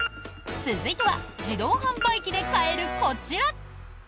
続いては自動販売機で買えるこちら。